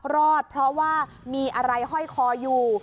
รอดเพราะว่ามีอะไรห้อยคออยู่